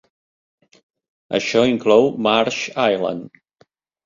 Això inclou Marsh Island.